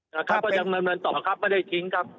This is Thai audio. แต่ก็ยังมันต่อครับไม่ได้ทิ้งครับ